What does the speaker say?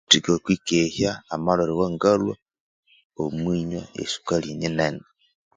tsukakwikehya amalhwere awangalhwa omwinywa esukali nyinene